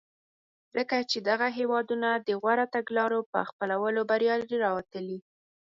ځکه چې دغه هېوادونه د غوره تګلارو په خپلولو بریالي راوتلي.